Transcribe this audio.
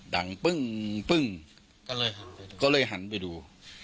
ดังปึ้งปึ้งก็เลยหันไปดู